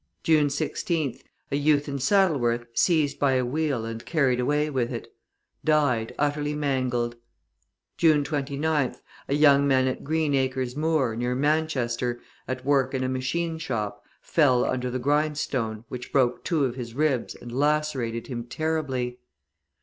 June 16th, a youth in Saddleworth seized by a wheel and carried away with it; died, utterly mangled. June 29th, a young man at Green Acres Moor, near Manchester, at work in a machine shop, fell under the grindstone, which broke two of his ribs and lacerated him terribly.